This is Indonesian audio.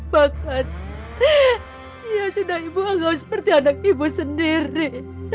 bahkan dia sudah ibu anggap seperti anak ibu sendiri